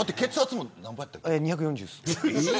２４０です。